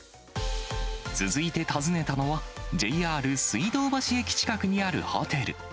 続いて訪ねたのは、ＪＲ水道橋駅近くにあるホテル。